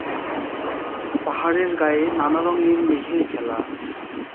পাহাড়ের গায়ে নানা রঙের মেঘের খেলা।